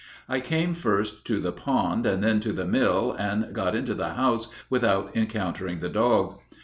I came first to the pond and then to the mill, and got into the house without encountering the dog.